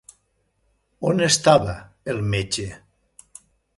On estava el metge?